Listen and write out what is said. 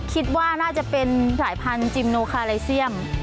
คิดว่าน่าจะเป็นสายพันธุ์จิมโนคาไลเซียม